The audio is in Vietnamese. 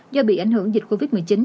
do bị ảnh hưởng dịch covid một mươi chín